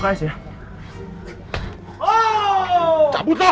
akan dipunystem tout